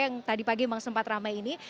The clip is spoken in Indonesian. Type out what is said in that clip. yang tadi pagi memang sempat ramai ini